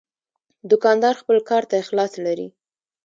دوکاندار خپل کار ته اخلاص لري.